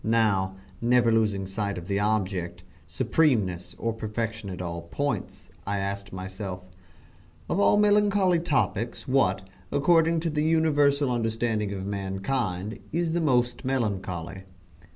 Now, never losing sight of the object supremeness or perfection at all points, I asked myself "Of all melancholy topics what, according to the universal understanding of mankind, is the most melancholy?"